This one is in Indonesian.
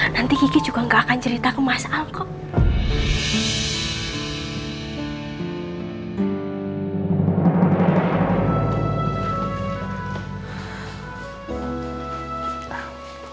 nanti kiki juga gak akan cerita ke mas alkohol